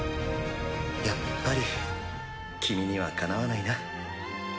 やっぱり君にはかなわないな。